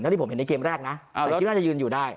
แน่นี้ผมเห็นในเกมแรกแต่อาจริงน่าจะยืนอยู่ได้